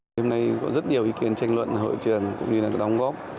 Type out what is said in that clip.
hôm nay có rất nhiều ý kiến tranh luận hội trường cũng như là có đóng góp